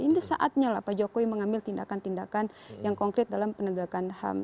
ini saatnya lah pak jokowi mengambil tindakan tindakan yang konkret dalam penegakan ham